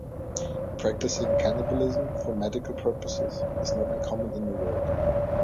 Practising cannibalism for medical purposes is not uncommon in the world.